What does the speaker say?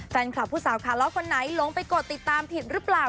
แฟนคลับผู้สาวขาล้อคนไหนลงไปกดติดตามผิดหรือเปล่า